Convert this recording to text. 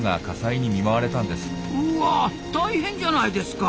うわ大変じゃないですか！